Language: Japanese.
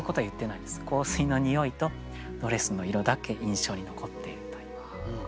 香水の匂いとドレスの色だけ印象に残っているという。